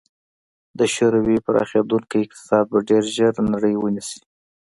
د شوروي پراخېدونکی اقتصاد به ډېر ژر نړۍ ونیسي.